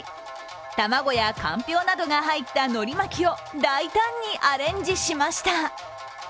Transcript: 卵やかんぴょうなどが入ったのり巻きを大胆にアレンジしました。